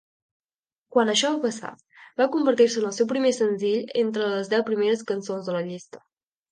Quan això va passar, va convertir-se en el seu primer senzill entre les deu primeres cançons de la llista.